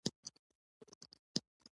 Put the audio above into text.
ويې ويل: د آسونو وربشې کمې دي.